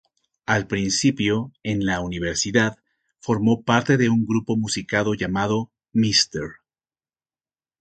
Al principio, en la universidad, formó parte de un grupo musical llamado “Mr.